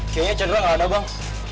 kayaknya chandra ga ada bang